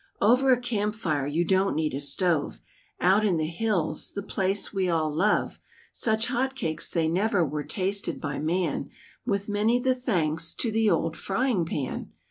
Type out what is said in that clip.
Over a campfire you don't need a stove, Out in the hills, the place we all love, Such hotcakes they never were tasted by man, With many the thanks to the old frying pan.